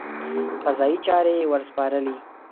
قضایي چارې ورسپارلې.